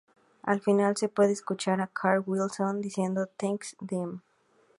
Al final se puede escuchar a Carl Wilson diciendo "Thanks, Dean".